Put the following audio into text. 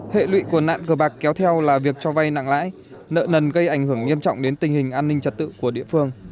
hệ lụy của nạn cờ bạc kéo theo là việc cho vay nặng lãi nợ nần gây ảnh hưởng nghiêm trọng đến tình hình an ninh trật tự của địa phương